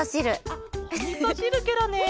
あっおみそしるケロね。